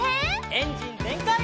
エンジンぜんかい！